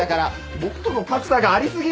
僕との格差がありすぎる！